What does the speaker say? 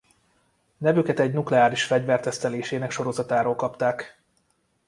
Nevüket egy nukleáris fegyver tesztelésének sorozatáról kapták.